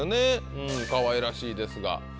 うんかわいらしいですが。